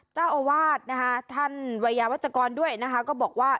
เจ้าอวาสท่านไวยะวาสเจ้าก็บอกว่า